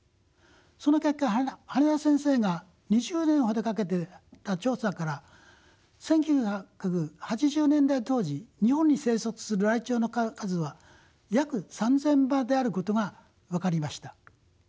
その結果羽田先生が２０年ほどかけた調査から１９８０年代当時日本に生息するライチョウの数は約３，０００羽であることが分かりました。